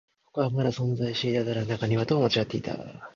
ここはまだ存在していた。ただ、中庭も昔と違っていた。